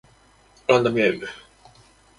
ランダムゲーム